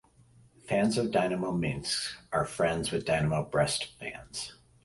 Fans of Dinamo Minsk are friends with Dinamo Brest fans.